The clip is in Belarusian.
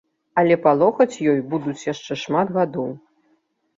Але палохаць ёй будуць яшчэ шмат гадоў.